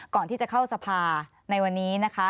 ก่อนที่จะเข้าสภาในวันนี้นะคะ